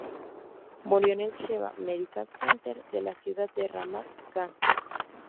Murió en el Sheba Medical Center de la ciudad de Ramat Gan